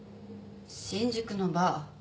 新宿のバー。